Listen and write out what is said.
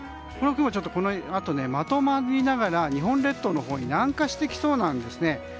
この雲、このあとまとまりながら日本列島のほうに南下してきそうなんですね。